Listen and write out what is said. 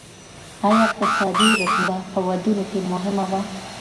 ايا اقتصادي رتبه په ودونو کي مهمه وه؟